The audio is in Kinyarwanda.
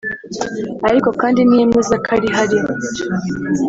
ariko kandi ntiyemeza ko ari ho ari